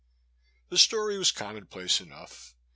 The story was commonplace enough.